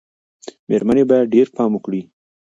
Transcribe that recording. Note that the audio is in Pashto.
مېرمنې باید ډېر پام وکړي.